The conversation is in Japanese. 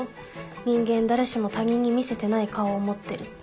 「人間誰しも他人に見せてない顔を持ってる」って。